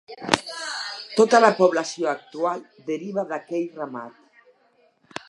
Tota la població actual deriva d'aquell ramat.